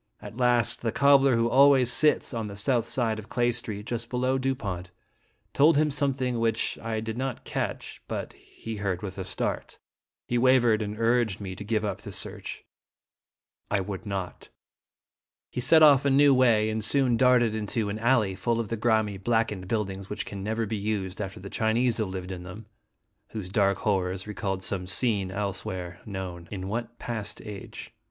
At last, the cobbler who always sits on the south side of Clay Street, just below Dupont, told him something which 1 did not catch, but he heard with a start. He wavered and urged 136 QLtye ^Dramatic in me to give up the search. I would not. He set off a new way, and soon darted into an alley full of the grimy, blackened buildings which can never be used after the Chinese have lived in them, whose dark horrors re called some scene elsewhere known in what past age?